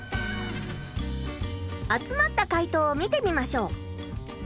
集まった回答を見てみましょう。